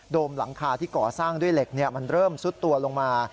มหลังคาที่ก่อสร้างด้วยเหล็กมันเริ่มซุดตัวลงมา